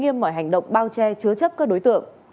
nghiêm mọi hành động bao che chứa chấp các đối tượng